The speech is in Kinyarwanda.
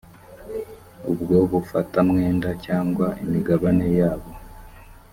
ubwo bufatamwenda cyangwa imigabane yabo